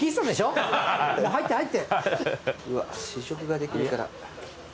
うわ試食ができるから。